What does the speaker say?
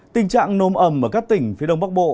tình trạng nôm ẩm ở các tỉnh phía đông bắc bộ